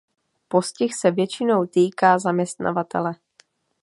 Postih se většinou týká zaměstnavatele.